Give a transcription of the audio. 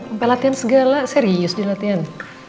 sampai latihan segala serius di latihan